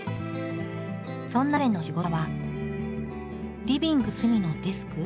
そんな彼の仕事場はリビングの隅のデスク？